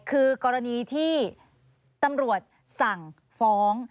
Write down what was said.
คือกรณีที่ตำรวจสั่งฟ้อง